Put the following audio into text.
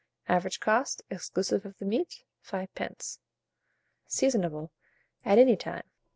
Average cost, exclusive of the meat, 5d. Seasonable at any time.